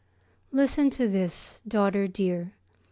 Listen to this, daughter dear.